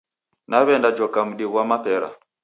Naw'eenda jhoka mdi ghwa mapera.